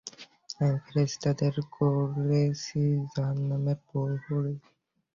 আমি ফেরেশতাদেরকে করেছি জাহান্নামের প্রহরী।